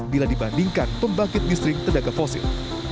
bila dibandingkan pembangkit mistrik tedaga fosil